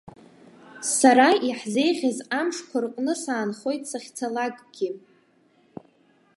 Сара иаҳзеиӷьыз амшқәа рҟны саанхоит сахьцалакгьы.